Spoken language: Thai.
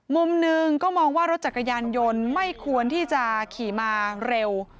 มุมหนึ่งก็มองว่ารถจักรยานยนต์ไม่ควรที่จะขี่มาเร็ว